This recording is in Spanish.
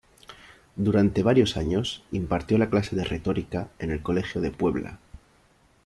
Durante varios años impartió la clase de retórica en el Colegio de Puebla.